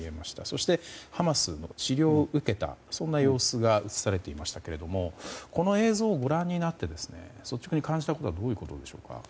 そして、ハマスの治療を受けたそんな様子が映されていましたがこの映像をご覧になって率直に感じたことはどういうことでしょうか？